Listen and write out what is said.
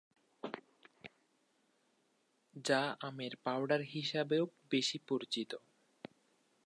যা আমের পাউডার হিসাবেও বেশি পরিচিত।